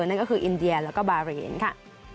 นั่นก็คืออินเดียแล้วก็บาเรนค่ะ